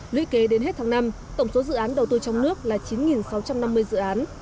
lũy kế đến hết tháng năm tổng số dự án đầu tư trong nước là chín sáu trăm năm mươi dự án